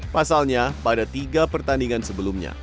pasalnya pada tiga pertandingan sebelumnya